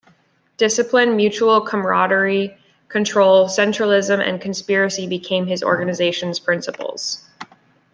Discipline, mutual comradely control, centralism and conspiracy became this organization's principles.